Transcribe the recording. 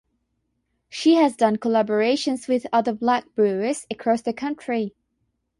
She has done collaborations with other Black brewers across the country.